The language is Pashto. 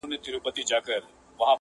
له قلا څخه دباندي یا په ښار کي!!